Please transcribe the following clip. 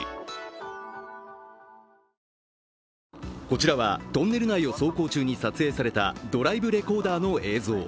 こちらはトンネル内を走行中に撮影されたドライブレコーダーの映像。